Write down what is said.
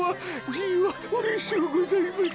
じいはうれしゅうございます。